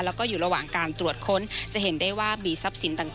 แล้วก็อยู่ระหว่างการตรวจค้นจะเห็นได้ว่ามีทรัพย์สินต่าง